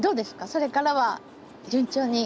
それからは順調に？